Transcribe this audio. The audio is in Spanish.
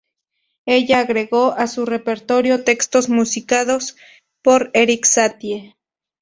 Ella agregó a su repertorio textos musicados por Erik Satie.